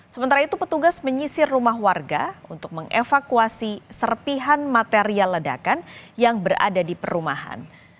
sementara itu petugas menyisir rumah warga untuk mengevakuasi serpihan material ledakan yang berada di perumahan